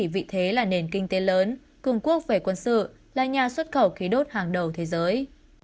vị thế là nền kinh tế lớn cường quốc về quân sự là nhà xuất khẩu khí đốt hàng đầu thế giới